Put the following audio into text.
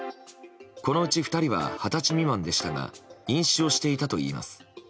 このうち２人は二十歳未満でしたが飲酒をしていたといいます。